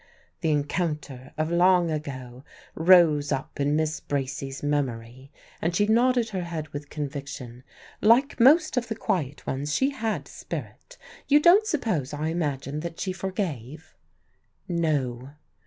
the encounter of long ago rose up in Miss Bracy's memory, and she nodded her head with conviction. "Like most of the quiet ones, she had spirit. You don't suppose, I imagine, that she forgave?" "No."